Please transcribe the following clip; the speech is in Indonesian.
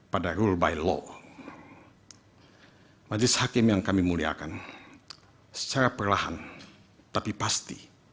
pada rule by law hai majlis hakim yang kami muliakan secara perlahan tapi pasti